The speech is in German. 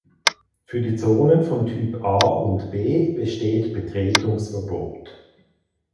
Für die Zonen vom Typ „A“ und „B“ besteht Betretungsverbot.